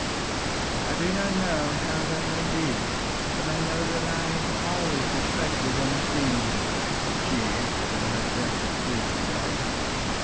"I do not know how that may be; but I know that I have always respected and esteemed you," she answered in her gentle pleading way.